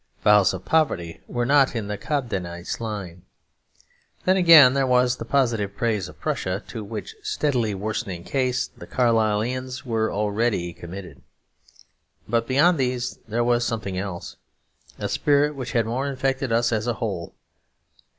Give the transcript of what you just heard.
Vows of poverty were not in the Cobdenite's line. Then, again, there was the positive praise of Prussia, to which steadily worsening case the Carlyleans were already committed. But beyond these, there was something else, a spirit which had more infected us as a whole.